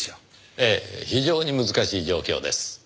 ええ非常に難しい状況です。